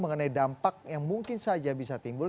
mengenai dampak yang mungkin saja bisa timbul